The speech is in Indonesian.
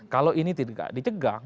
kalau ini tidak dicegah